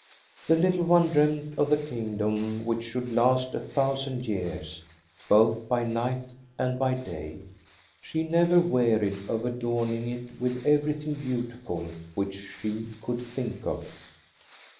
The little one dreamed of the kingdom which should last a thousand years, both by night and by day. She never wearied of adorn ing it with everything beautiful which she could think of.